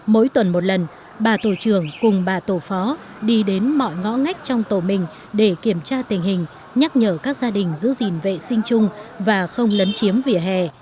mỗi tuần một lần bà tổ trưởng cùng bà tổ phó đi đến mọi ngõ ngách trong tổ mình để kiểm tra tình hình nhắc nhở các gia đình giữ gìn vệ sinh chung và không lấn chiếm vỉa hè